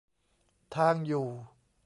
ทางอยู่